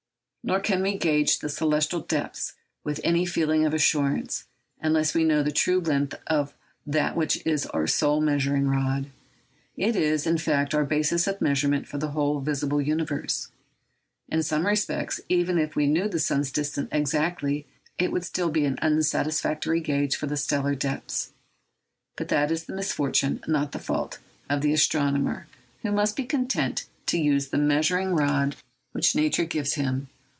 Nor can we gauge the celestial depths with any feeling of assurance, unless we know the true length of that which is our sole measuring rod. It is, in fact, our basis of measurement for the whole visible universe. In some respects, even if we knew the sun's distance exactly, it would still be an unsatisfactory gauge for the stellar depths. But that is the misfortune, not the fault, of the astronomer, who must be content to use the measuring rod which nature gives him.